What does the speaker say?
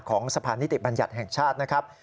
สะพานนิติบัญญัติแห่งชาตินะครับ